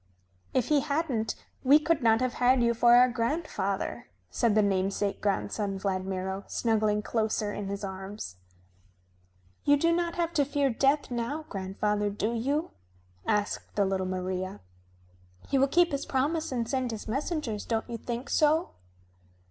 "If he hadn't we could not have had you for our grandfather," said the namesake grandson Vladmiro, snuggling closer in his arms. "You do not have to fear Death now, grandfather, do you?" asked the little Maria. "He will keep his promise and send his messengers, don't you think so?"